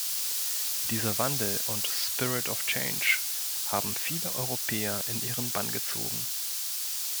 Dieser Wandel und "Spirit of Change" haben viele Europäer in ihren Bann gezogen.